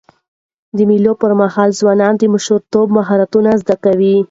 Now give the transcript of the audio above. د مېلو پر مهال ځوانان د مشرتابه مهارتونه زده کوي.